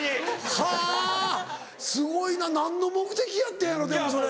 はぁすごいな何の目的やってんやろでもそれ。